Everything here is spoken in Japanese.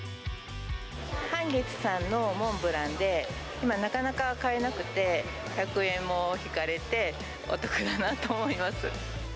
半月さんのモンブランで、今、なかなか買えなくて、１００円も引かれて、お得だなと思います。